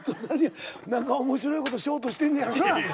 何か面白いことしようとしてんねやろうなぁ。